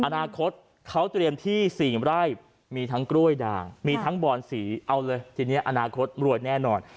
อนาคตเขาเตรียมที่๔ไร่มีทั้งกล้วยด่างมีทั้งบอนสีเอาเลยทีนี้อนาคตรวยแน่นอน